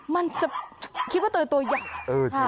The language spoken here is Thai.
มันจะคิดว่าเตยตัวใหญ่